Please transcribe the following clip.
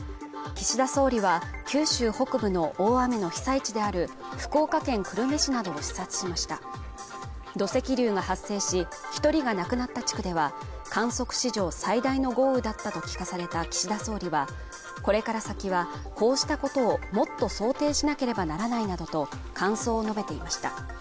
岸田総理は九州北部の大雨の被災地である福岡県久留米市などを視察しました土石流が発生し一人が亡くなった地区では観測史上最大の豪雨だったと聞かされた岸田総理はこれから先はこうしたことをもっと想定しなければならないなどと感想を述べていました